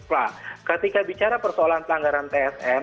pak ketika bicara persoalan pelanggaran tsm